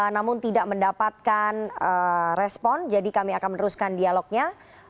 namun tidak mendapatkan respon jadi kami akan meneruskan dialognya